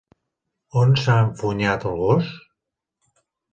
On s'ha enfonyat, el gos?